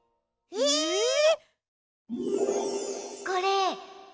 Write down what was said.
えっ！